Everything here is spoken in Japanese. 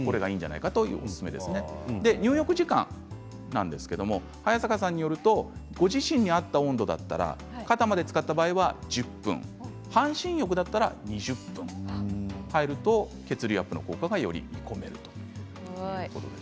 入浴時間は早坂さんによるとご自身に合った温度だったら肩までつかったら１０分半身浴だったら２０分入ると血流アップの効果がより見込めるということです。